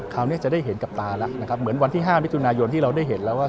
คราวนี้จะได้เห็นกับตาแล้วนะครับเหมือนวันที่๕มิถุนายนที่เราได้เห็นแล้วว่า